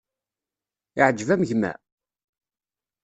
Iεǧeb-am gma?